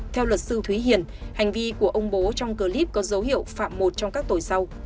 theo luật sư thúy hiền hành vi của ông bố trong clip có dấu hiệu phạm một trong các tuổi sau